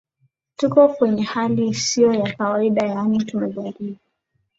tuko kwenye hali isiyo ya kawaida yaani tumejaribu